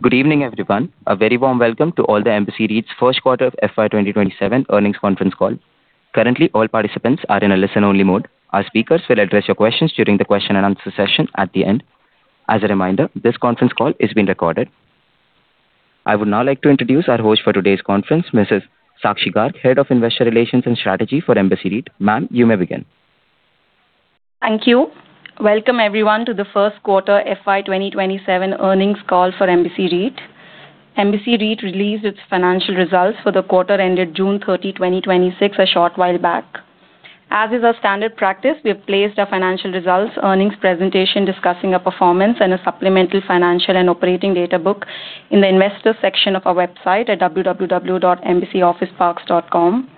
Good evening, everyone. A very warm welcome to all the Embassy REIT's first quarter of FY 2027 earnings conference call. Currently, all participants are in a listen-only mode. Our speakers will address your questions during the question and answer session at the end. As a reminder, this conference call is being recorded. I would now like to introduce our host for today's conference, Sakshi Garg, Head of Investor Relations and Strategy for Embassy REIT. Ma'am, you may begin. Thank you. Welcome, everyone, to the first quarter FY 2027 earnings call for Embassy REIT. Embassy REIT released its financial results for the quarter ended June 30, 2026, a short while back. As is our standard practice, we have placed our financial results, earnings presentation discussing our performance, and a supplemental financial and operating data book in the investors section of our website at www.embassyofficeparks.com.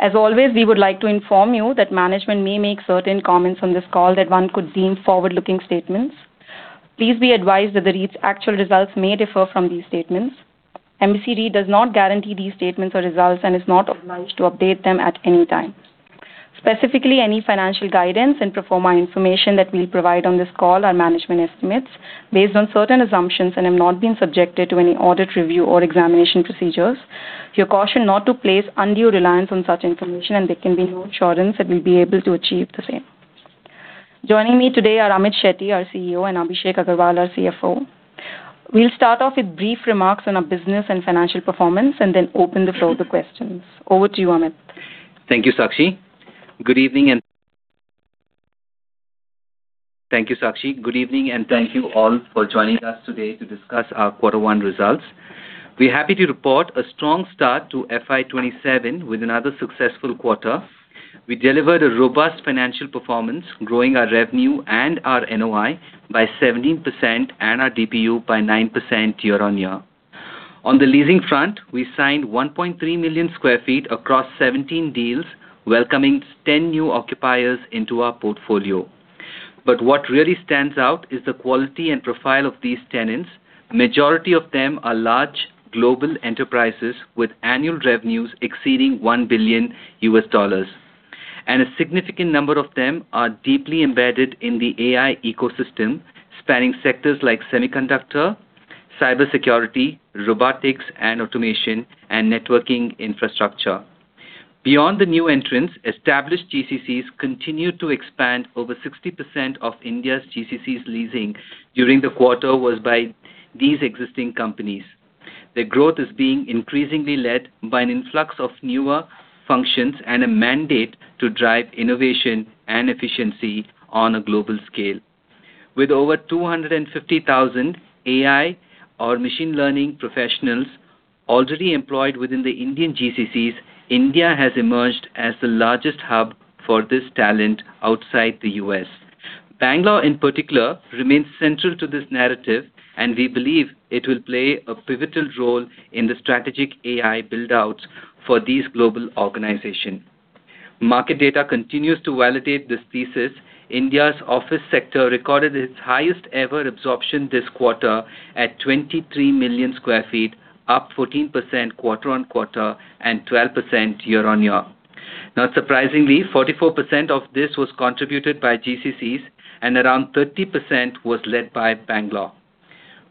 As always, we would like to inform you that management may make certain comments on this call that one could deem forward-looking statements. Please be advised that the REIT's actual results may differ from these statements. Embassy REIT does not guarantee these statements or results and is not obliged to update them at any time. Specifically, any financial guidance and pro forma information that we provide on this call are management estimates based on certain assumptions and have not been subjected to any audit review or examination procedures. You are cautioned not to place undue reliance on such information, and there can be no assurance that we'll be able to achieve the same. Joining me today are Amit Shetty, our CEO, and Abhishek Agrawal, our CFO. We'll start off with brief remarks on our business and financial performance, and then open the floor to questions. Over to you, Amit. Thank you, Sakshi. Good evening, and thank you all for joining us today to discuss our quarter one results. We're happy to report a strong start to FY 2027 with another successful quarter. We delivered a robust financial performance, growing our revenue and our NOI by 17% and our DPU by 9% year-on-year. On the leasing front, we signed 1.3 million square feet across 17 deals, welcoming 10 new occupiers into our portfolio. What really stands out is the quality and profile of these tenants. Majority of them are large global enterprises with annual revenues exceeding $1 billion. A significant number of them are deeply embedded in the AI ecosystem, spanning sectors like semiconductor, cybersecurity, robotics and automation, and networking infrastructure. Beyond the new entrants, established GCCs continued to expand. Over 60% of India's GCCs leasing during the quarter was by these existing companies. Their growth is being increasingly led by an influx of newer functions and a mandate to drive innovation and efficiency on a global scale. With over 250,000 AI or machine learning professionals already employed within the Indian GCCs, India has emerged as the largest hub for this talent outside the U.S. Bangalore, in particular, remains central to this narrative, and we believe it will play a pivotal role in the strategic AI build-outs for these global organizations. Market data continues to validate this thesis. India's office sector recorded its highest ever absorption this quarter at 23 million square feet, up 14% quarter-on-quarter and 12% year-on-year. Not surprisingly, 44% of this was contributed by GCCs and around 30% was led by Bangalore.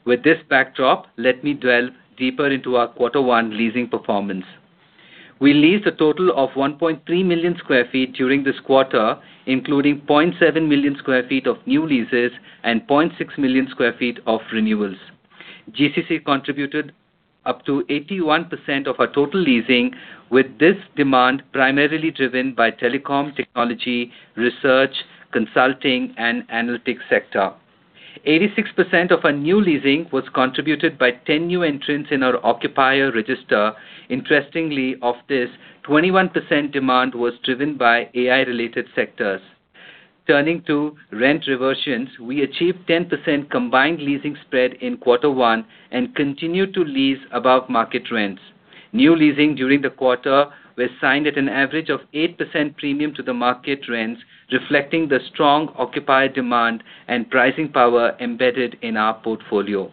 With this backdrop, let me delve deeper into our quarter one leasing performance. We leased a total of 1.3 million square feet during this quarter, including 0.7 million square feet of new leases and 0.6 million square feet of renewals. GCC contributed up to 81% of our total leasing with this demand primarily driven by telecom, technology, research, consulting, and analytics sector. 86% of our new leasing was contributed by 10 new entrants in our occupier register. Interestingly, of this, 21% demand was driven by AI-related sectors. Turning to rent reversions, we achieved 10% combined leasing spread in quarter one and continued to lease above market rents. New leasing during the quarter were signed at an average of 8% premium to the market rents, reflecting the strong occupier demand and pricing power embedded in our portfolio.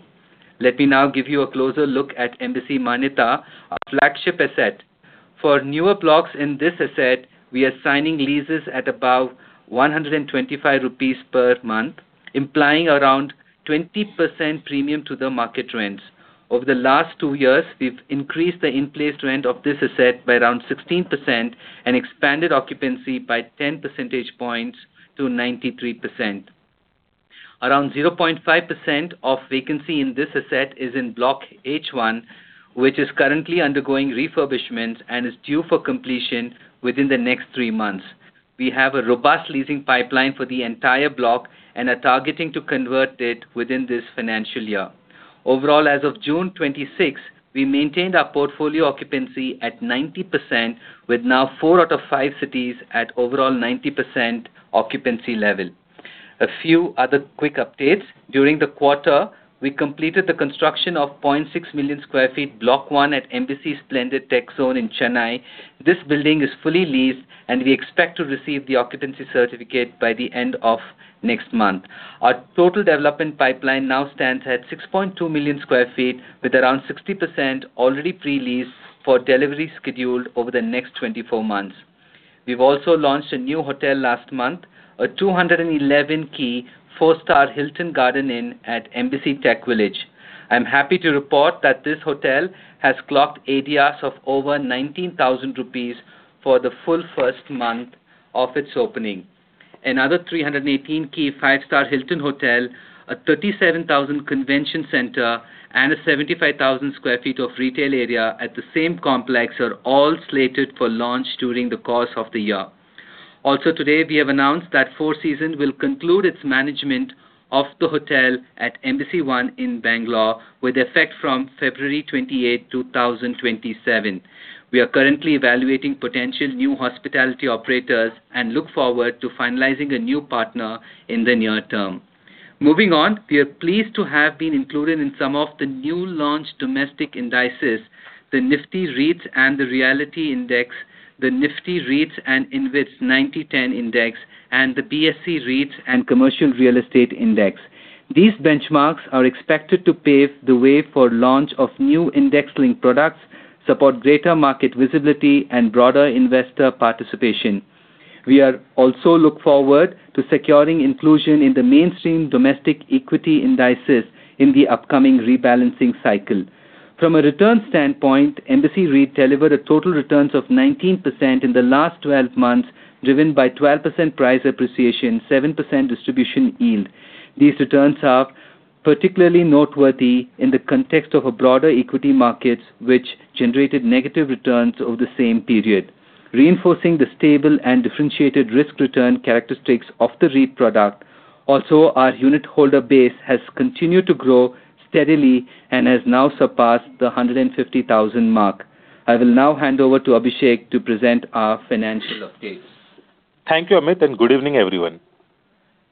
Let me now give you a closer look at Embassy Manyata, our flagship asset. For newer blocks in this asset, we are signing leases at above 125 rupees per month, implying around 20% premium to the market rents. Over the last two years, we've increased the in-place rent of this asset by around 16% and expanded occupancy by 10 percentage points to 93%. Around 0.5% of vacancy in this asset is in Block H1, which is currently undergoing refurbishment and is due for completion within the next three months. We have a robust leasing pipeline for the entire block and are targeting to convert it within this financial year. Overall, as of June 26, we maintained our portfolio occupancy at 90% with now four out of five cities at overall 90% occupancy level. A few other quick updates. During the quarter, we completed the construction of 0.6 million square feet Block 1 at Embassy Splendid TechZone in Chennai. This building is fully leased, and we expect to receive the occupancy certificate by the end of next month. Our total development pipeline now stands at 6.2 million square feet with around 60% already pre-leased for delivery scheduled over the next 24 months. We've also launched a new hotel last month, a 211 key, four-star Hilton Garden Inn at Embassy TechVillage. I'm happy to report that this hotel has clocked ADRs of over 19,000 rupees for the full first month of its opening. Another 318 key, five-star Hilton Hotel, a 37,000 convention center, and a 75,000 square feet of retail area at the same complex are all slated for launch during the course of the year. Also today, we have announced that Four Seasons will conclude its management of the hotel at Embassy ONE in Bangalore, with effect from February 28th, 2027. We are currently evaluating potential new hospitality operators and look forward to finalizing a new partner in the near term. We are pleased to have been included in some of the new launch domestic indices, the Nifty REITs & Realty Index, the Nifty REITs & InvITs 90:10 Index, and the BSE REITs and Commercial Real Estate Index. These benchmarks are expected to pave the way for launch of new index link products, support greater market visibility, and broader investor participation. We are also look forward to securing inclusion in the mainstream domestic equity indices in the upcoming rebalancing cycle. From a return standpoint, Embassy REIT delivered a total returns of 19% in the last 12 months, driven by 12% price appreciation, 7% distribution yield. These returns are particularly noteworthy in the context of a broader equity markets, which generated negative returns over the same period, reinforcing the stable and differentiated risk-return characteristics of the REIT product. Our unit holder base has continued to grow steadily and has now surpassed the 150,000 mark. I will now hand over to Abhishek to present our financial updates. Thank you, Amit, and good evening, everyone.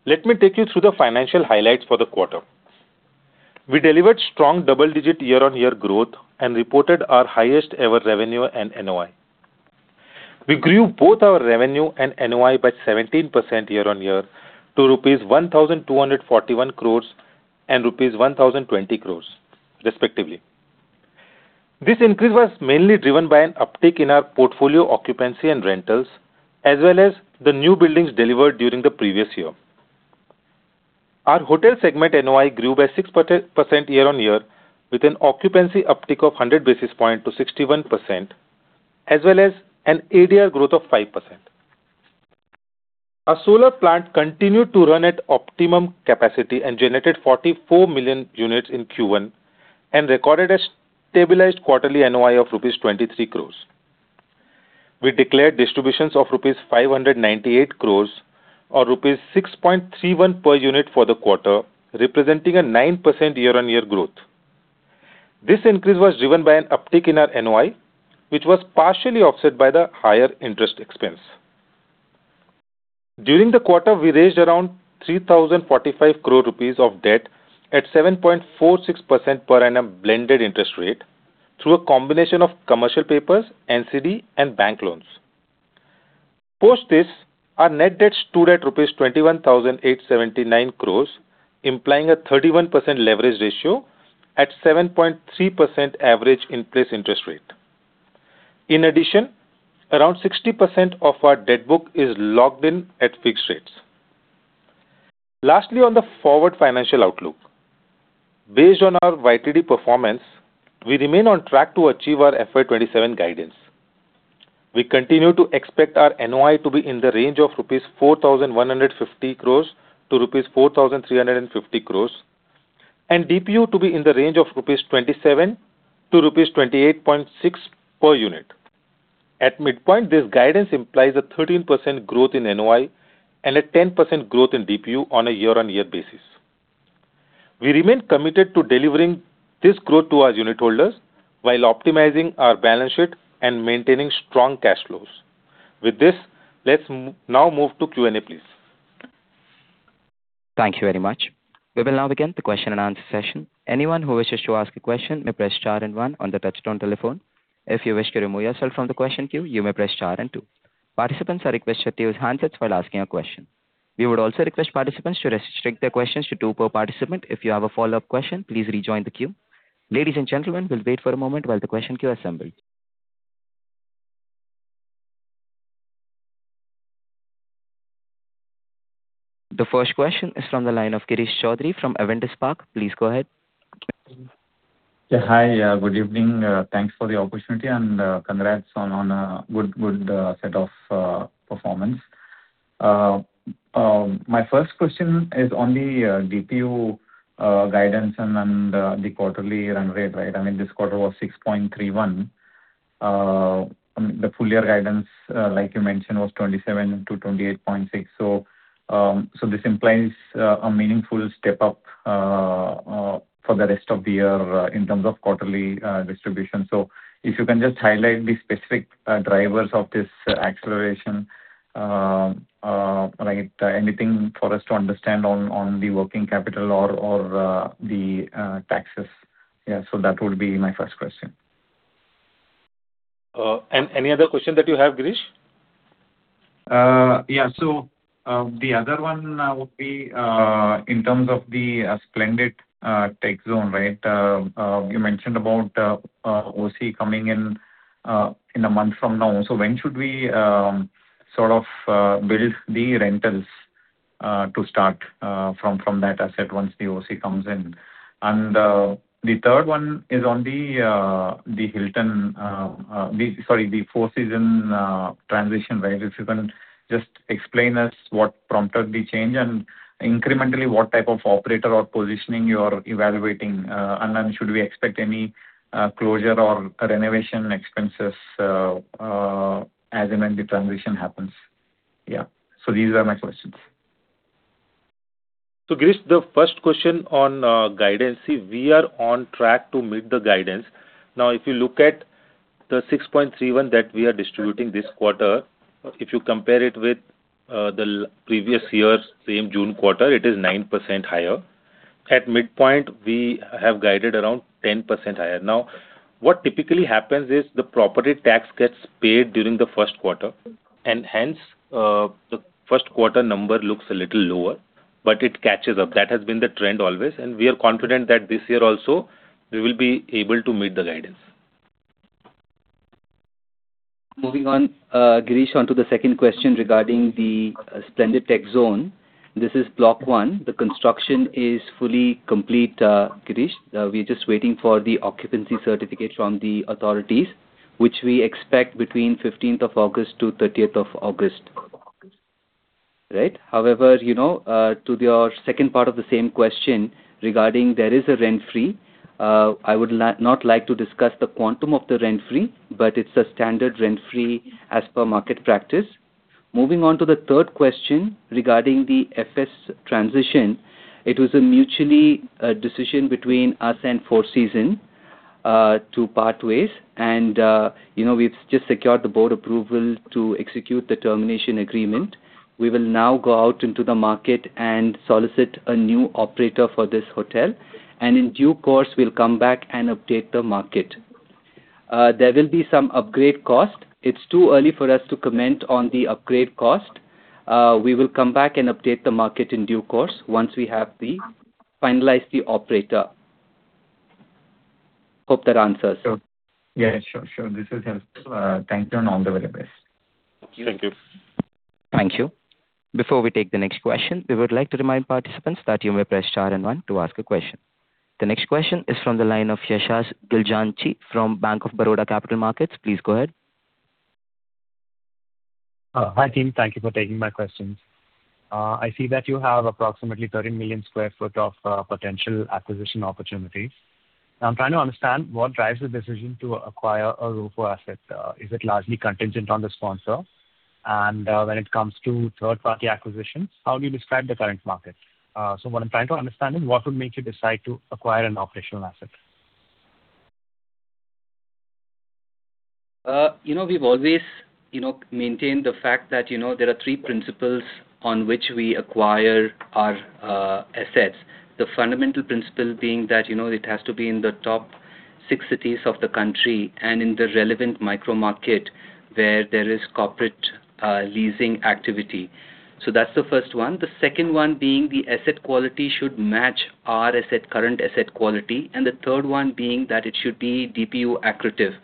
Let me take you through the financial highlights for the quarter. We delivered strong double-digit year-over-year growth and reported our highest ever revenue and NOI. We grew both our revenue and NOI by 17% year-over-year to rupees 1,241 crore and rupees 1,020 crore respectively. This increase was mainly driven by an uptick in our portfolio occupancy and rentals, as well as the new buildings delivered during the previous year. Our hotel segment NOI grew by 6% year-over-year with an occupancy uptick of 100 basis points to 61%, as well as an ADR growth of 5%. Our solar plant continued to run at optimum capacity and generated 44 million units in Q1, and recorded a stabilized quarterly NOI of rupees 23 crore. We declared distributions of rupees 598 crore or rupees 6.31 per unit for the quarter, representing a 9% year-over-year growth. This increase was driven by an uptick in our NOI, which was partially offset by the higher interest expense. During the quarter, we raised around 3,045 crore rupees of debt at 7.46% per annum blended interest rate through a combination of commercial papers, NCD and bank loans. Post this, our net debt stood at rupees 21,879 crore, implying a 31% leverage ratio at 7.3% average in place interest rate. Around 60% of our debt book is locked in at fixed rates. Lastly, on the forward financial outlook. Based on our YTD performance, we remain on track to achieve our FY 2027 guidance. We continue to expect our NOI to be in the range of 4,150 crore-4,350 crore rupees, and DPU to be in the range of 27-28.6 rupees per unit. At midpoint, this guidance implies a 13% growth in NOI and a 10% growth in DPU on a year-on-year basis. We remain committed to delivering this growth to our unitholders while optimizing our balance sheet and maintaining strong cash flows. With this, let's now move to Q&A, please. Thank you very much. We will now begin the question and answer session. Anyone who wishes to ask a question may press star and one on the touchtone telephone. If you wish to remove yourself from the question queue, you may press star and two. Participants are requested to use handsets while asking a question. We would also request participants to restrict their questions to two per participant. If you have a follow-up question, please rejoin the queue. Ladies and gentlemen, we will wait for a moment while the question queue assembles. The first question is from the line of Girish Choudhary from Avendus Spark. Please go ahead. Hi, good evening. Thanks for the opportunity and congrats on a good set of performance. My first question is on the DPU guidance and the quarterly run rate, right? I mean, this quarter was 6.31. I mean, the full year guidance, like you mentioned, was 27-28.6. This implies a meaningful step up for the rest of the year in terms of quarterly distribution. If you can just highlight the specific drivers of this acceleration, like anything for us to understand on the working capital or the taxes. That would be my first question. Any other question that you have, Girish? The other one would be in terms of the Splendid TechZone. You mentioned about OC coming in a month from now. When should we build the rentals to start from that asset once the OC comes in? The third one is on the Four Seasons transition. If you can just explain us what prompted the change and incrementally what type of operator or positioning you are evaluating. Should we expect any closure or renovation expenses as and when the transition happens? Yeah. These are my questions. Girish, the first question on guidance. See, we are on track to meet the guidance. If you look at the 6.31 that we are distributing this quarter, if you compare it with the previous year's same June quarter, it is 9% higher. At midpoint, we have guided around 10% higher. What typically happens is the property tax gets paid during the first quarter, hence, the first quarter number looks a little lower, but it catches up. That has been the trend always, and we are confident that this year also, we will be able to meet the guidance. Moving on, Girish, onto the second question regarding the Splendid TechZone. This is block 1. The construction is fully complete, Girish. We are just waiting for the occupancy certificate from the authorities, which we expect between 15th of August to 30th of August. Right. To your second part of the same question regarding there is a rent-free. I would not like to discuss the quantum of the rent-free, but it's a standard rent-free as per market practice. Moving on to the third question regarding the FS transition. It was a mutual decision between us and Four Seasons to part ways, we've just secured the board approval to execute the termination agreement. We will now go out into the market and solicit a new operator for this hotel, in due course, we'll come back and update the market. There will be some upgrade cost. It's too early for us to comment on the upgrade cost. We will come back and update the market in due course, once we have finalized the operator. Hope that answers. Yeah, sure. This is helpful. Thank you, and all the very best. Thank you. Thank you. Before we take the next question, we would like to remind participants that you may press star and one to ask a question. The next question is from the line of Yashas Gilganchi from Bank of Baroda Capital Markets. Please go ahead. Hi, team. Thank you for taking my questions. I see that you have approximately 13 million square foot of potential acquisition opportunities. I'm trying to understand what drives the decision to acquire a ROFO asset. Is it largely contingent on the sponsor? When it comes to third-party acquisitions, how do you describe the current market? What I'm trying to understand is what would make you decide to acquire an operational asset? We've always maintained the fact that there are three principles on which we acquire our assets. The fundamental principle being that it has to be in the top six cities of the country and in the relevant micro market where there is corporate leasing activity. That's the first one. The second one being the asset quality should match our current asset quality, and the third one being that it should be DPU accretive.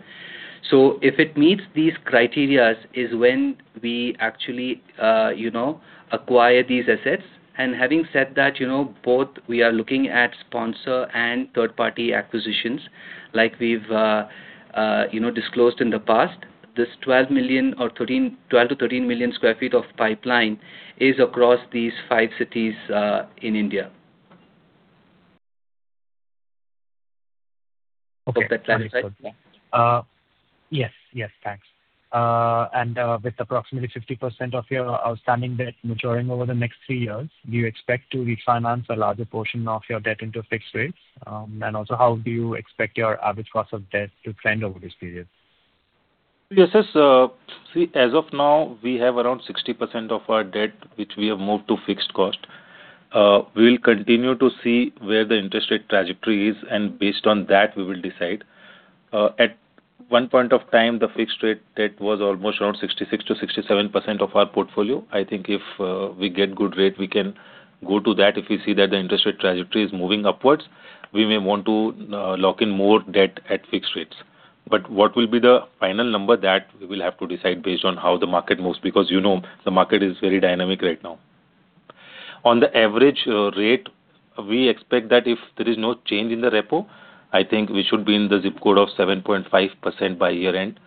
If it meets these criteria is when we actually acquire these assets. Having said that, both we are looking at sponsor and third-party acquisitions like we've disclosed in the past. This 12 million square feet-13 million square feet of pipeline is across these five cities in India. Hope that answers. Yes. Thanks. With approximately 50% of your outstanding debt maturing over the next three years, do you expect to refinance a larger portion of your debt into fixed rates? Also, how do you expect your average cost of debt to trend over this period? Yes. As of now, we have around 60% of our debt, which we have moved to fixed cost. We'll continue to see where the interest rate trajectory is, and based on that, we will decide. At one point of time, the fixed rate debt was almost around 66%-67% of our portfolio. I think if we get good rate, we can go to that. If we see that the interest rate trajectory is moving upwards, we may want to lock in more debt at fixed rates. What will be the final number, that we will have to decide based on how the market moves, because the market is very dynamic right now. On the average rate, we expect that if there is no change in the repo, I think we should be in the zip code of 7.5% by year-end.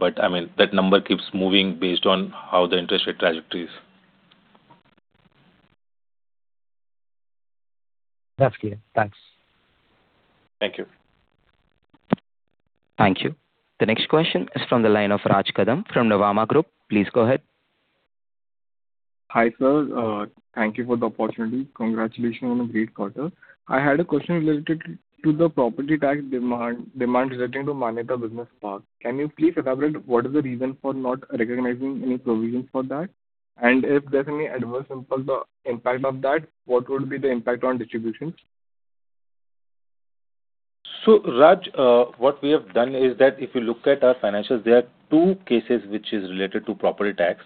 That number keeps moving based on how the interest rate trajectory is. That's clear. Thanks. Thank you. Thank you. The next question is from the line of Raj Kadam from Nuvama Group. Please go ahead. Hi, sir. Thank you for the opportunity. Congratulations on a great quarter. I had a question related to the property tax demand relating to Manyata Business Park. Can you please elaborate what is the reason for not recognizing any provisions for that? If there's any adverse impact of that, what would be the impact on distributions? Raj, what we have done is that if you look at our financials, there are two cases which is related to property tax.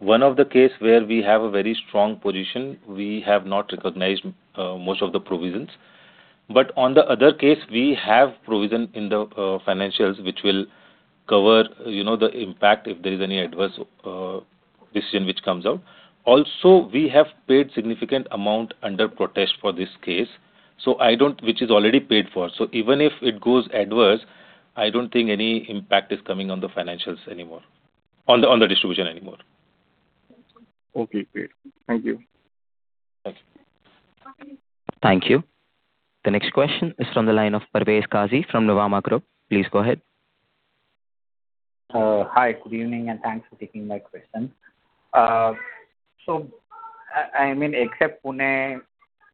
One of the case where we have a very strong position, we have not recognized most of the provisions. On the other case, we have provision in the financials, which will cover the impact if there is any adverse decision which comes out. Also, we have paid significant amount under protest for this case, which is already paid for. Even if it goes adverse, I don't think any impact is coming on the distribution anymore. Okay, great. Thank you. Thanks. Thank you. The next question is from the line of Parvez Qazi from [Nuvama Group]. Please go ahead. Hi, good evening, and thanks for taking my question. Except Pune,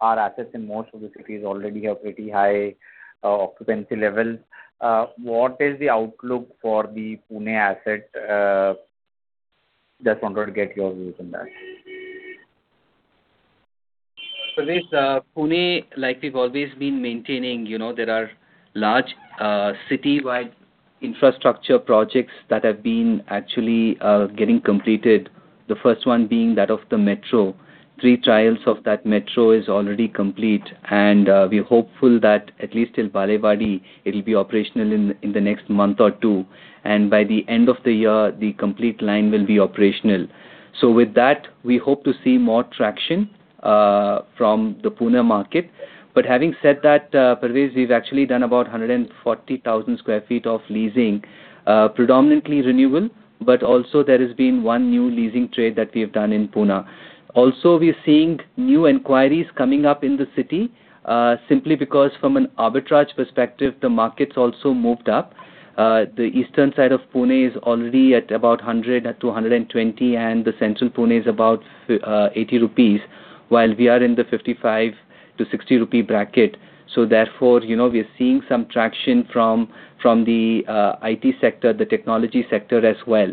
our assets in most of the cities already have pretty high occupancy levels. What is the outlook for the Pune asset? Just wanted to get your views on that. Parvez, Pune, like we've always been maintaining, there are large citywide infrastructure projects that have been actually getting completed. The first one being that of the metro. Three trials of that metro is already complete, and we are hopeful that at least till Balewadi, it'll be operational in the next month or two. By the end of the year, the complete line will be operational. With that, we hope to see more traction from the Pune market. Having said that, Parvez, we've actually done about 140,000 square feet of leasing, predominantly renewal, but also there has been one new leasing trade that we have done in Pune. We are seeing new inquiries coming up in the city, simply because from an arbitrage perspective, the market's also moved up. The eastern side of Pune is already at about 100-120, and the central Pune is about 80 rupees, while we are in the 55-60 rupee bracket. Therefore, we are seeing some traction from the IT sector, the technology sector as well.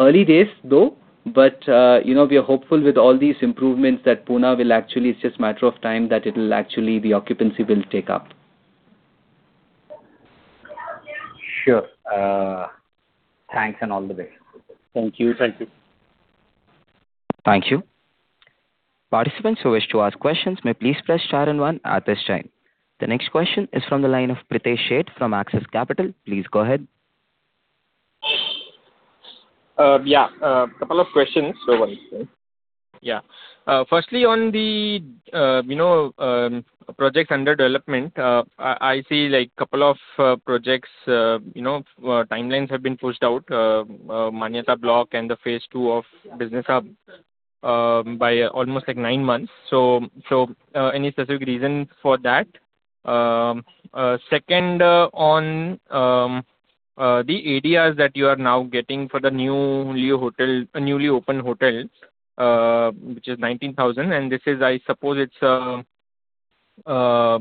Early days though, but we are hopeful with all these improvements that Pune will actually, it's just matter of time, that the occupancy will take up. Sure. Thanks and all the best. Thank you. Thank you. Thank you. Participants who wish to ask questions may please press star and one at this time. The next question is from the line of Pritesh Sheth from Axis Capital. Please go ahead. Yeah. A couple of questions. Sure, go on. Yeah. Firstly, on the projects under development, I see couple of projects timelines have been pushed out, Manyata block and the Phase 2 of Business Hub, by almost nine months. Any specific reason for that? Second, on the ADRs that you are now getting for the newly opened hotels, which is 19,000, and this is, I suppose, it's not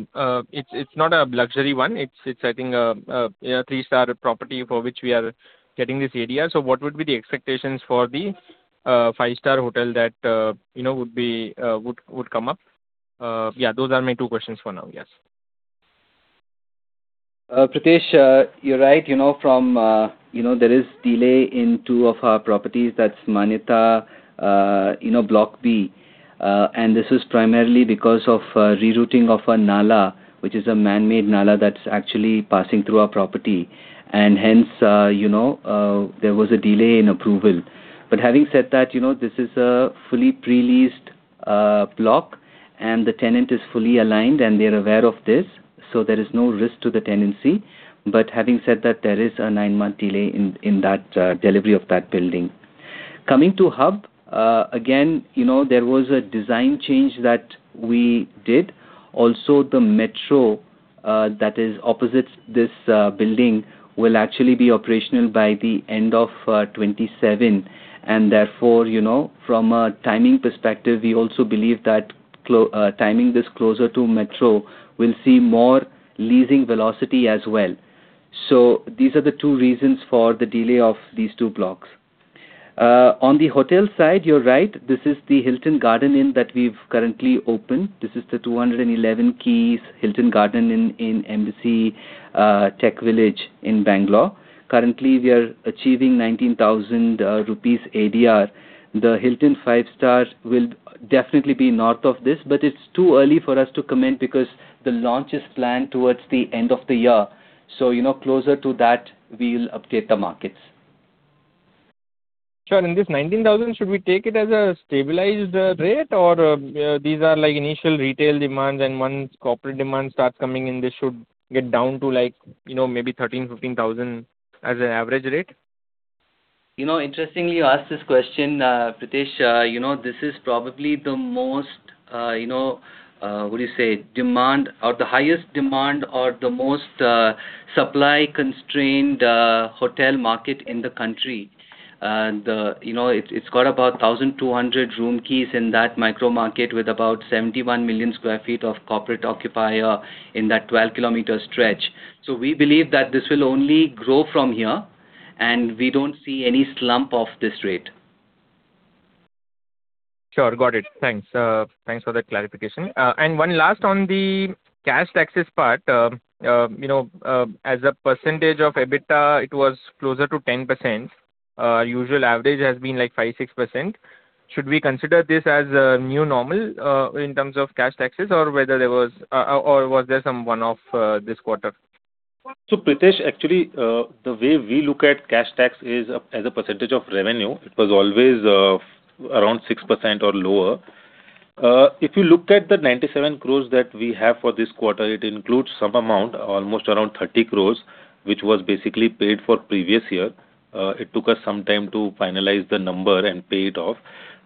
a luxury one. It's, I think, a three-star property for which we are getting this ADR. What would be the expectations for the five-star hotel that would come up? Yeah, those are my two questions for now. Yes. Pritesh, you're right. There is delay in two of our properties, that's Manyata Block B. This is primarily because of rerouting of a nala, which is a man-made nala that's actually passing through our property. Hence, there was a delay in approval. Having said that, this is a fully pre-leased block and the tenant is fully aligned, and they're aware of this, so there is no risk to the tenancy. Having said that, there is a nine-month delay in that delivery of that building. Coming to Hub, again, there was a design change that we did. Also, the metro that is opposite this building will actually be operational by the end of 2027. Therefore, from a timing perspective, we also believe that timing this closer to metro will see more leasing velocity as well. These are the two reasons for the delay of these two blocks. On the hotel side, you're right. This is the Hilton Garden Inn that we've currently opened. This is the 211 keys Hilton Garden Inn in Embassy TechVillage in Bangalore. Currently, we are achieving 19,000 rupees ADR. The Hilton five-star will definitely be north of this, but it's too early for us to comment because the launch is planned towards the end of the year. Closer to that, we'll update the markets. Sure. This 19,000, should we take it as a stabilized rate or these are initial retail demands and once corporate demand starts coming in, this should get down to maybe 13,000, 15,000 as an average rate? Interestingly, you ask this question, Pritesh. This is probably the highest demand or the most supply-constrained hotel market in the country. It's got about 1,200 room keys in that micro market with about 71 million square feet of corporate occupier in that 12-kilometer stretch. We believe that this will only grow from here, and we don't see any slump of this rate. Sure. Got it. Thanks. Thanks for the clarification. One last on the cash taxes part. As a percentage of EBITDA, it was closer to 10%. Usual average has been 5%-6%. Should we consider this as new normal in terms of cash taxes or was there some one-off this quarter? Pritesh, actually, the way we look at cash tax is as a percentage of revenue. It was always around 6% or lower. If you look at the 97 crore that we have for this quarter, it includes some amount, almost around 30 crore, which was basically paid for previous year. It took us some time to finalize the number and pay it off.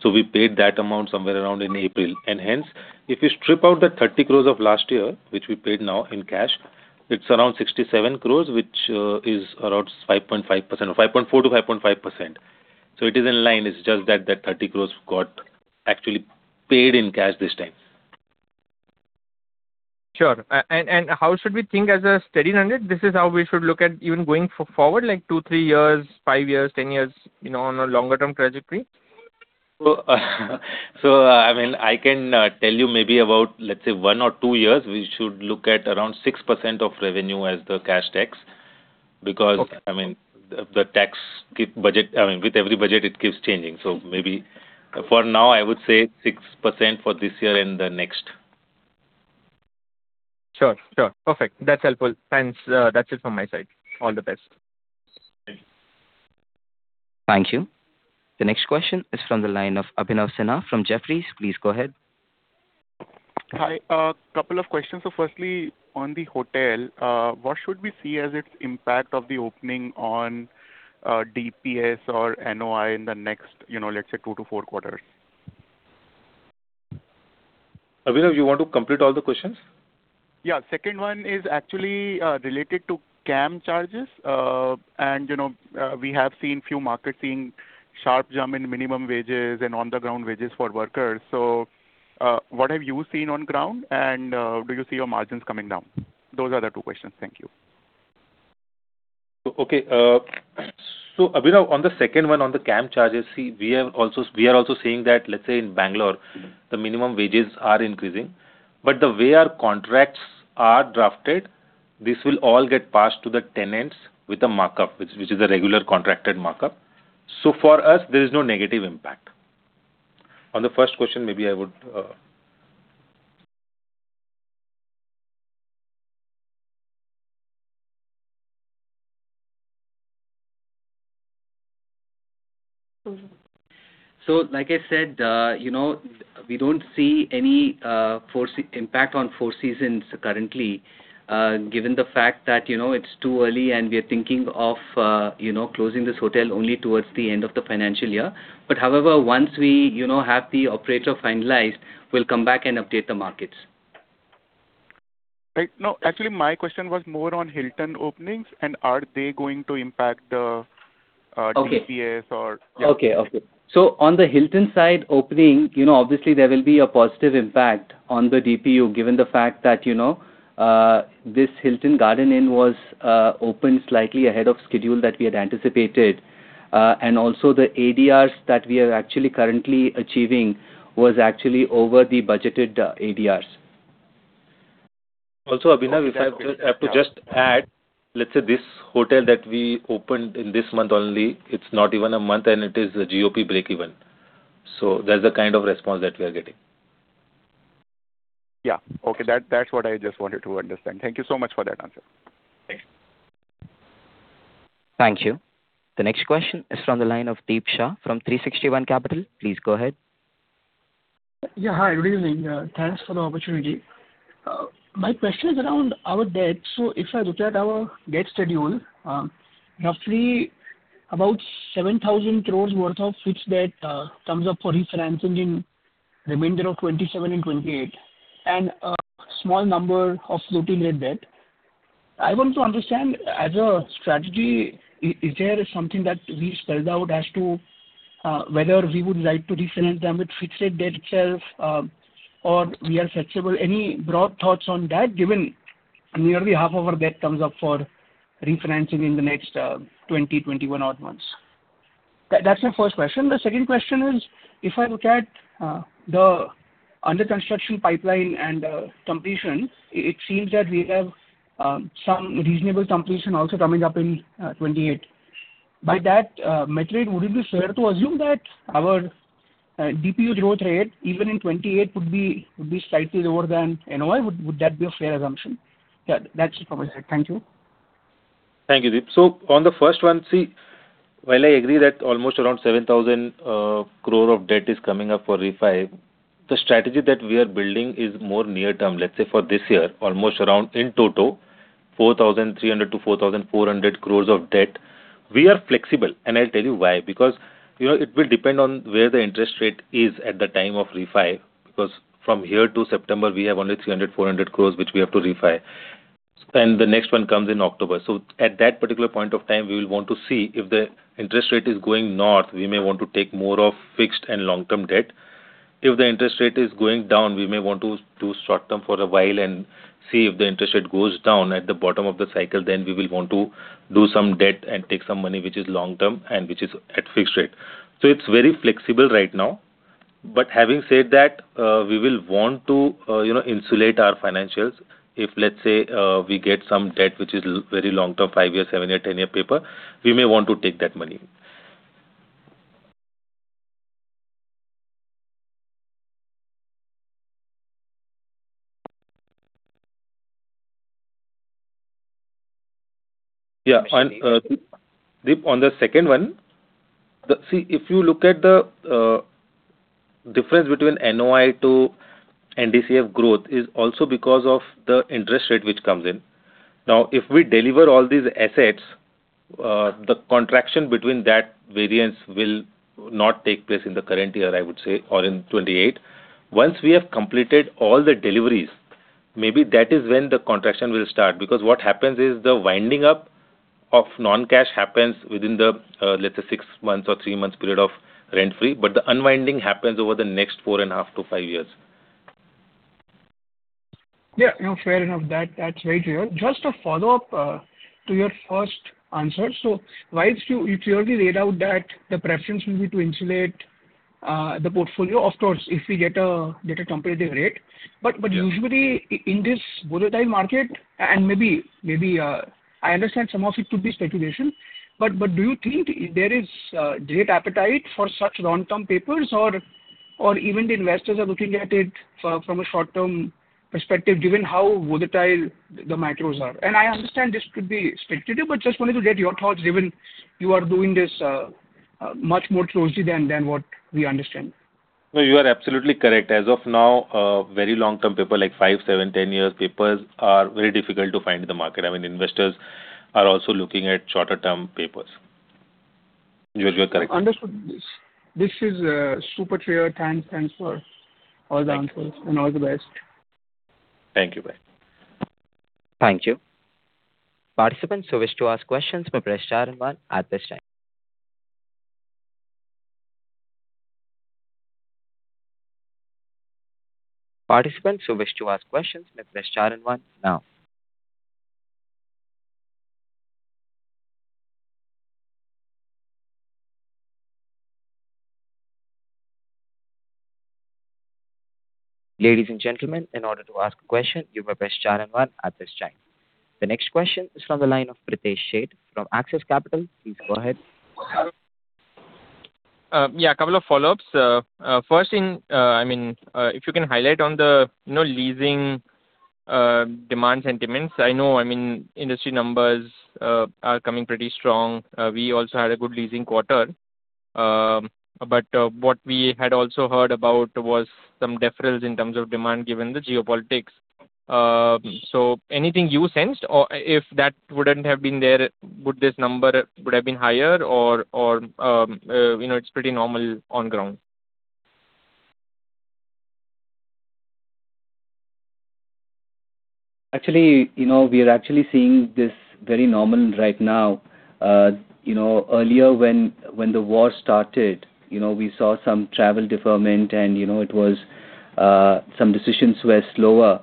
We paid that amount somewhere around in April. Hence, if you strip out the 30 crore of last year, which we paid now in cash, it's around 67 crore, which is around 5.4%-5.5%. It is in line, it's just that the 30 crore got actually paid in cash this time. Sure. How should we think as a steady unit? This is how we should look at even going forward, like two years, three years, five years, 10 years, on a longer-term trajectory? I can tell you maybe about, let's say, one or two years, we should look at around 6% of revenue as the cash tax. Okay. The tax, with every budget it keeps changing. Maybe for now, I would say 6% for this year and the next. Sure. Perfect. That's helpful. Thanks. That's it from my side. All the best. Thank you. Thank you. The next question is from the line of Abhinav Sinha from Jefferies. Please go ahead. Hi. A couple of questions. Firstly, on the hotel, what should we see as its impact of the opening on DPU or NOI in the next, let's say, two to four quarters? Abhinav, you want to complete all the questions? Yeah. Second one is actually related to CAM charges. We have seen few markets seeing sharp jump in minimum wages and on-the-ground wages for workers. What have you seen on ground and do you see your margins coming down? Those are the two questions. Thank you. Okay. Abhinav, on the second one on the CAM charges. We are also seeing that, let's say in Bangalore, the minimum wages are increasing. The way our contracts are drafted, this will all get passed to the tenants with a markup, which is a regular contracted markup. For us, there is no negative impact. On the first question, maybe I would. Like I said, we don't see any impact on Four Seasons currently, given the fact that it's too early and we are thinking of closing this hotel only towards the end of the financial year. However, once we have the operator finalized, we'll come back and update the markets. Right. No, actually my question was more on Hilton openings and are they going to impact the- Okay. DPU or yeah. On the Hilton side opening, obviously there will be a positive impact on the DPU, given the fact that this Hilton Garden Inn was opened slightly ahead of schedule that we had anticipated. Also the ADRs that we are actually currently achieving was actually over the budgeted ADRs. Also, Abhinav, if I have to just add, let's say this hotel that we opened in this month only, it's not even a month and it is GOP breakeven. That's the kind of response that we are getting. Yeah. Okay. That's what I just wanted to understand. Thank you so much for that answer. Thanks. Thank you. The next question is from the line of Deep Shah from [360 ONE Capital]. Please go ahead. Hi. Good evening. Thanks for the opportunity. My question is around our debt. If I look at our debt schedule, roughly about 7,000 crore worth of fixed debt comes up for refinancing in remainder of 2027 and 2028, and a small number of floating rate debt. I want to understand as a strategy, is there something that we spelled out as to whether we would like to refinance them with fixed debt itself or we are flexible? Any broad thoughts on that, given nearly half of our debt comes up for refinancing in the next 20 months, 21 odd months? That's my first question. The second question is, if I look at the under-construction pipeline and completion, it seems that we have some reasonable completion also coming up in 2028. By that metric, would it be fair to assume that our DPU growth rate, even in 2028, would be slightly lower than NOI? Would that be a fair assumption? That's it from my side. Thank you. Thank you, Deep. On the first one, while I agree that almost around 7,000 crore of debt is coming up for refi, the strategy that we are building is more near term. Let's say for this year, almost around in total 4,300 crore to 4,400 crore of debt. We are flexible, and I'll tell you why. Because it will depend on where the interest rate is at the time of refi, because from here to September, we have only 300 crore, 400 crore, which we have to refi. The next one comes in October. At that particular point of time, we will want to see. If the interest rate is going north, we may want to take more of fixed and long-term debt. If the interest rate is going down, we may want to do short-term for a while and see if the interest rate goes down at the bottom of the cycle, we will want to do some debt and take some money, which is long-term, and which is at fixed rate. It's very flexible right now. Having said that, we will want to insulate our financials. If, let's say, we get some debt which is very long-term, five-year, seven-year, 10-year paper, we may want to take that money. Deep, on the second one, if you look at the difference between NOI to NDCF growth is also because of the interest rate which comes in. If we deliver all these assets, the contraction between that variance will not take place in the current year, I would say, or in 2028. Once we have completed all the deliveries, maybe that is when the contraction will start. What happens is, the winding up of non-cash happens within the, let's say, six months or three months period of rent-free, but the unwinding happens over the next four and a half to five years. Yeah. Fair enough. That's very clear. Just a follow-up to your first answer. Whilst you clearly laid out that the preference will be to insulate the portfolio, of course, if we get a competitive rate. Usually in this volatile market, and maybe I understand some of it could be speculation. But do you think there is great appetite for such long-term papers or even the investors are looking at it from a short-term perspective, given how volatile the macros are? I understand this could be speculative, but just wanted to get your thoughts, given you are doing this much more closely than what we understand. No, you are absolutely correct. As of now, very long-term paper, like five-year, seven-year, 10-year papers are very difficult to find in the market. Investors are also looking at shorter-term papers. You are correct. Understood. This is super clear. Thanks for all the answers and all the best. Thank you. Thank you. Participants who wish to ask questions may press star and one at this time. Participants who wish to ask questions may press star and one now. Ladies and gentlemen, in order to ask a question, you may press star and one at this time. The next question is from the line of Pritesh Sheth from Axis Capital. Please go ahead. A couple of follow-ups. First thing, if you can highlight on the leasing demand sentiments. I know industry numbers are coming pretty strong. We also had a good leasing quarter. What we had also heard about was some deferrals in terms of demand given the geopolitics. Anything you sensed, or if that wouldn't have been there, would this number would have been higher or it's pretty normal on ground? Actually, we are actually seeing this very normal right now. Earlier, when the war started, we saw some travel deferment, and some decisions were slower.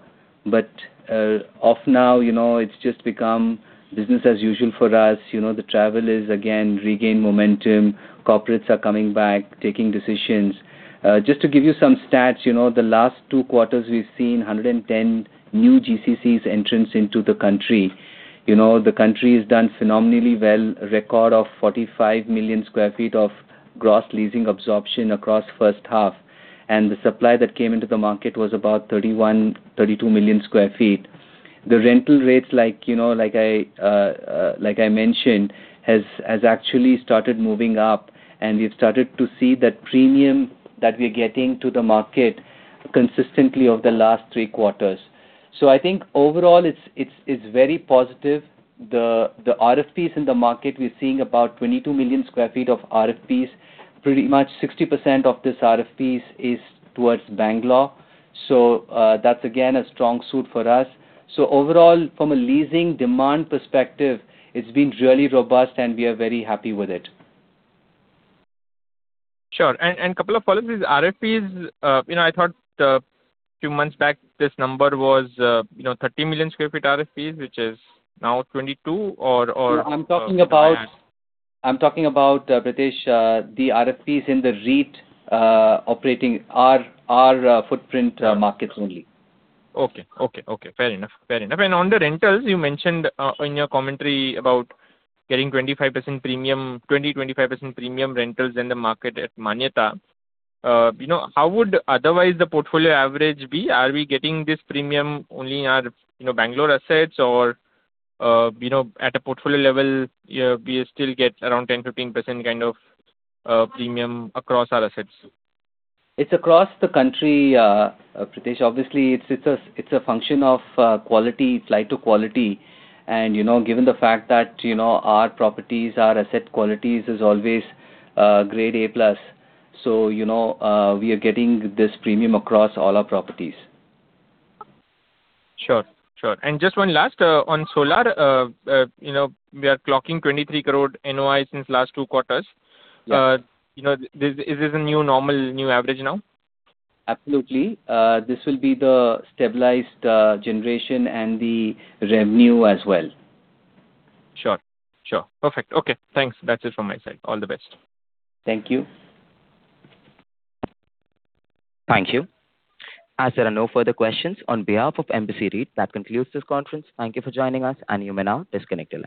Of now, it's just become business as usual for us. The travel has, again, regained momentum. Corporates are coming back, taking decisions. Just to give you some stats, the last two quarters we've seen 110 new GCCs entrance into the country. The country has done phenomenally well, a record of 45 million square feet of gross leasing absorption across first half. The supply that came into the market was about 31 million square feet, 32 million square feet. The rental rates, like I mentioned, has actually started moving up, and we've started to see that premium that we're getting to the market consistently over the last three quarters. I think overall it's very positive. The RFPs in the market, we are seeing about 22 million square feet of RFPs. Pretty much 60% of this RFPs is towards Bangalore. That is again, a strong suit for us. Overall, from a leasing demand perspective, it has been really robust and we are very happy with it. Sure. Couple of follow-ups. These RFPs, I thought a few months back this number was 30 million square feet RFPs, which is now 22 square feet? No, I am talking about, Pritesh, the RFPs in the REIT operating our footprint markets only. Okay. Fair enough. On the rentals, you mentioned in your commentary about getting 20%-25% premium rentals in the market at Manyata. How would otherwise the portfolio average be? Are we getting this premium only on our Bangalore assets or at a portfolio level, we still get around 10%-15% kind of premium across our assets? It's across the country, Pritesh. Obviously, it's a function of quality, flight to quality. Given the fact that our properties, our asset qualities is always grade A+, we are getting this premium across all our properties. Sure. Just one last on solar. We are clocking 23 crore NOI since last two quarters. Yeah. Is this a new normal, new average now? Absolutely. This will be the stabilized generation and the revenue as well. Sure. Perfect. Okay, thanks. That's it from my side. All the best. Thank you. Thank you. As there are no further questions, on behalf of Embassy REIT, that concludes this conference. Thank you for joining us, and you may now disconnect your lines.